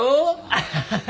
アハハハ。